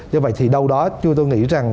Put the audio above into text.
do vậy thì đâu đó chúng tôi nghĩ rằng